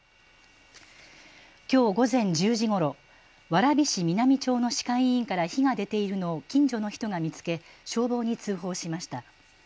きょう午前１０時ごろ、蕨市南町の歯科医院から火が出ているのを近所の人が見つけ消防に通報しました。